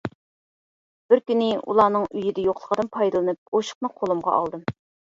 بىر كۈنى ئۇلارنىڭ ئۆيدە يوقلۇقىدىن پايدىلىنىپ ئوشۇقنى قولۇمغا ئالدىم.